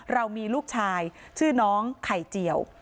เรามีลูกชายชื่อน้องไข่เจียว